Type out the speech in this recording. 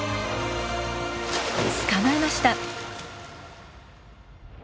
捕まえました！